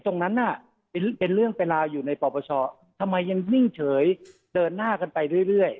ตรงนั้นน่ะเป็นเรื่องเป็นราวอยู่ในปปชทำไมยังนิ่งเฉยเดินหน้ากันไปเรื่อย